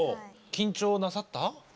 緊張なさった？